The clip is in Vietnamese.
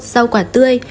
một rau quả tươi